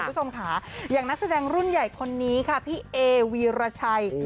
คุณผู้ชมค่ะอย่างนักแสดงรุ่นใหญ่คนนี้ค่ะพี่เอวีรชัย